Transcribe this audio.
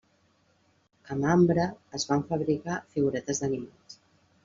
Amb ambre, es van fabricar figuretes d'animals.